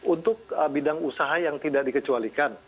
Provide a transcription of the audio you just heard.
untuk bidang usaha yang tidak dikecualikan